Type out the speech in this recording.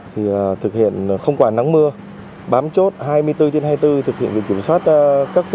thì thực hiện không có trường hợp